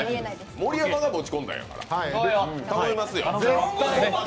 盛山が持ち込んだんやから頼みますよ。